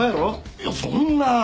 いやそんなぁ。